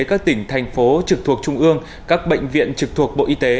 các tỉnh thành phố trực thuộc trung ương các bệnh viện trực thuộc bộ y tế